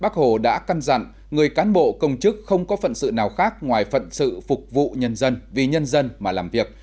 bác hồ đã căn dặn người cán bộ công chức không có phận sự nào khác ngoài phận sự phục vụ nhân dân vì nhân dân mà làm việc